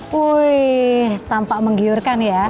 wuih tampak menggiurkan ya